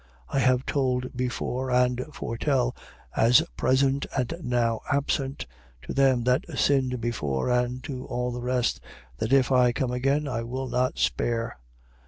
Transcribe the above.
13:2. I have told before and foretell, as present and now absent, to them that sinned before and to all the rest, that if I come again, I will not spare.